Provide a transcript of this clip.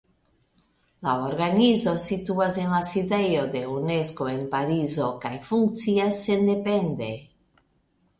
La organizo situas en la sidejo de Unesko en Parizo kaj funkcias sendepende.